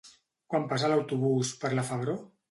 Quan passa l'autobús per la Febró?